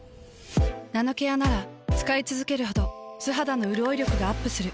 ナノケアなら使いつづけるほど素肌のうるおい力がアップする。